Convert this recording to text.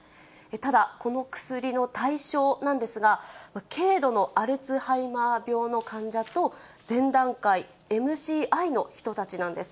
ただ、この薬の対象なんですが、軽度のアルツハイマー病の患者と、前段階、ＭＣＩの人たちなんです。